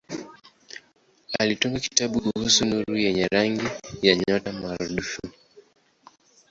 Alitunga kitabu kuhusu nuru yenye rangi ya nyota maradufu.